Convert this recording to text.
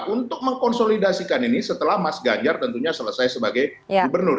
untuk mengkonsolidasikan ini setelah mas ganjar tentunya selesai sebagai gubernur